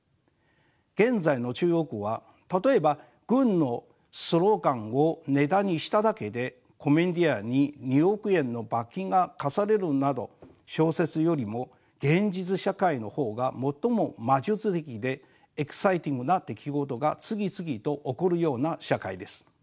現在の中国は例えば軍のスローガンをネタにしただけでコメディアンに２億円の罰金が科されるなど小説よりも現実社会の方が最も魔術的でエキサイティングな出来事が次々と起こるような社会です。